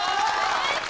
正解！